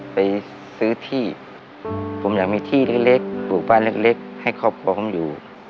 ไปซื้อที่ผมอยากมีที่เล็กปลูกบ้านเล็กให้ครอบครองอยู่